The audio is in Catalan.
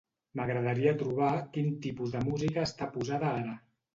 M'agradaria trobar quin tipus de música està posada ara.